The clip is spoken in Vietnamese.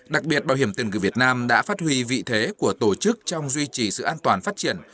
đặc biệt bảo hiểm tiền cử việt nam đã phát huy vị thế của tổ chức trong duy trì sự an toàn phát triển